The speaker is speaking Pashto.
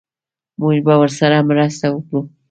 موږ به ورسره مرسته وکړو